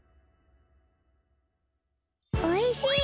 おいしい！